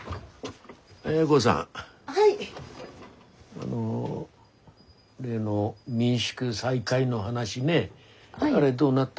あの例の民宿再開の話ねあれどうなった？